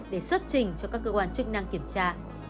để xuất trình cho các cơ quan chức năng kiểm tra